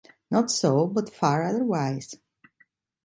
Not so, but far otherwise.